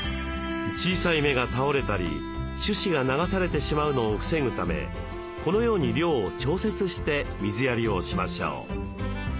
小さい芽が倒れたり種子が流されてしまうのを防ぐためこのように量を調節して水やりをしましょう。